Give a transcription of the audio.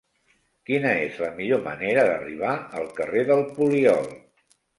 Quina és la millor manera d'arribar al carrer del Poliol?